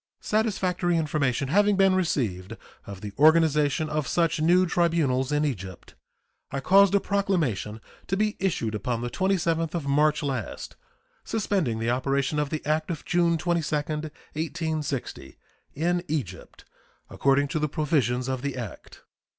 Satisfactory information having been received of the organization of such new tribunals in Egypt, I caused a proclamation to be issued upon the 27th of March last, suspending the operation of the act of June 22, 1860, in Egypt, according to the provisions of the act.